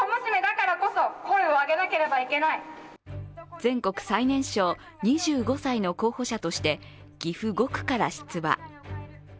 全国最年少２５歳の候補者として岐阜５区から出馬。